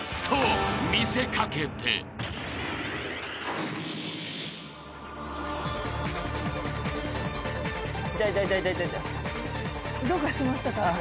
どうかしましたか？